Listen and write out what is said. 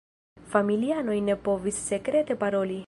Familianoj ne povis sekrete paroli.